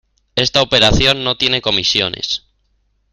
Esta operación no tiene comisiones